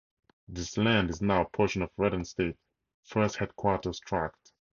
This land is now a portion of Redden State Forest's Headquarters Tract.